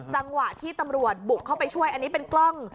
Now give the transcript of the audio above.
จังหวะที่ตำรวจบุกเข้าไปช่วยอันนี้เป็นกล้อง